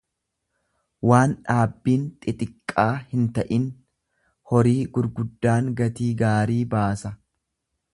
waan dhaabbiin xixiqqaa hinta'in; Horii gurguddaan gatii gaarii baasa.